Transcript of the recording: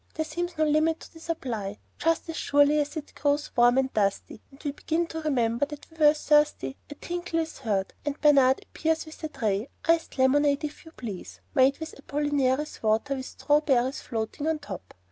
"There seems no limit to the supply. Just as surely as it grows warm and dusty, and we begin to remember that we are thirsty, a tinkle is heard, and Bayard appears with a tray, iced lemonade, if you please, made with Apollinaris water with strawberries floating on top!